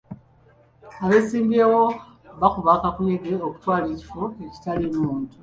Abeesimbyewo bakuba kakuyege okutwala ekifo ekitaliimu muntu.